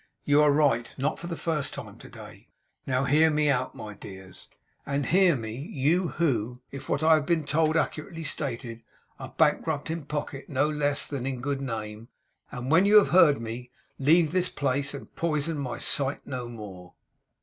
You are right; not for the first time to day. Now hear me out, my dears. And hear me, you, who, if what I have been told be accurately stated, are Bankrupt in pocket no less than in good name! And when you have heard me, leave this place, and poison my sight no more!